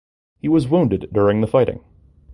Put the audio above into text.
He was wounded during the fighting.